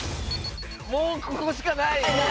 もうここしかない。